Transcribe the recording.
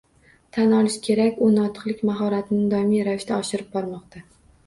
Tan olish kerak, u notiqlik mahoratini doimiy ravishda oshirib bormoqda